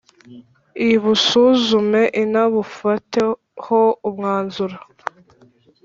ibusuzume inabufateho umwanzuro